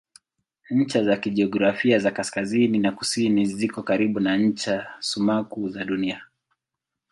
Ncha za kijiografia za kaskazini na kusini ziko karibu na ncha sumaku za Dunia.